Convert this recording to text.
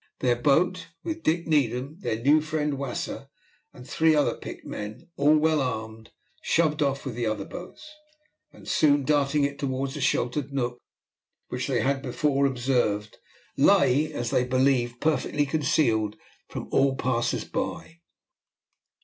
Their boat, with Dick Needham, their new friend Wasser, and three other picked men, all well armed, shoved off with the other boats, and soon darting in towards a sheltered nook, which they had before observed, lay as they believed perfectly concealed from all passers by.